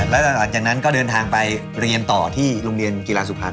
แล้วหลังจากนั้นก็เดินทางไปเรียนต่อที่โรงเรียนกีฬาสุพรรณ